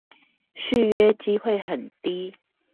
續約機會很低